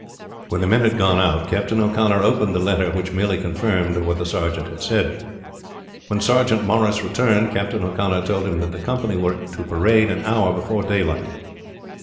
When the men had gone out Captain O'Connor opened the letter, which merely confirmed what the sergeant said. When Sergeant Morris returned Captain O'Connor told him that the company were to parade an hour before daylight.